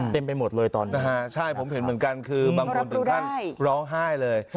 เต็มไปหมดเลยตอนนี้ใช่ผมเห็นเหมือนกันคือบางคนร้องไห้เลย